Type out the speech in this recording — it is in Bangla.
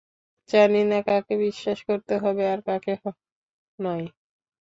জানি না কাকে বিশ্বাস করতে হবে আর কাকে নয়।